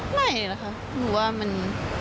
ไม่แหละค่ะหนูว่ามัน